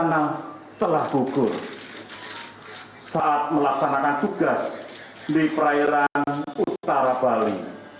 yang telah gugur saat melaksanakan tugas di perairan utara bali